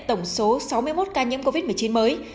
tổng số sáu mươi một ca nhiễm covid một mươi chín mới